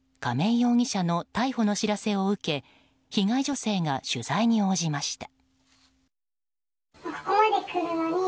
亀井容疑者の逮捕の知らせを受け被害女性が取材に応じました。